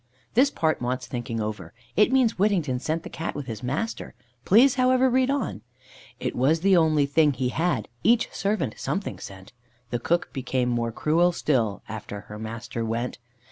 (This part wants thinking over. It means Whittington sent the Cat with his master; please, however, read on): "It was the only thing he had Each servant something sent; The cook became more cruel still After her master went.